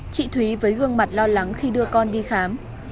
chị thúy với gương mặt lo lắng khi đưa con đi khám